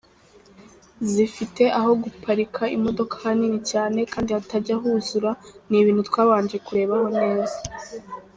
, zifite aho guparika imodoka hanini cyane kandi hatajya huzura, ni ibintu twabanje kurebaho neza.